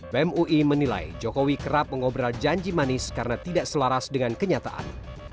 bem ui menilai jokowi kerap mengobrol janji manis karena tidak selaras dengan kenyataan